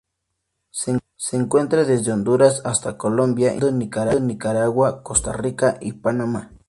Se encuentra desde Honduras hasta Colombia, incluyendo Nicaragua, Costa Rica y Panamá.